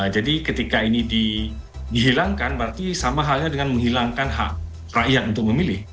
jadi ketika ini dihilangkan berarti sama halnya dengan menghilangkan hak rakyat untuk memilih